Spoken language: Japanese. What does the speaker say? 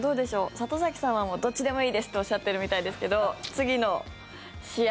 里崎さんはどっちでもいいですとおっしゃってるみたいですけど次の試合